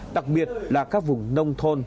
đặc biệt là các vùng nông thôn